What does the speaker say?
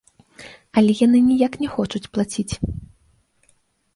Але яны ніяк не хочуць плаціць.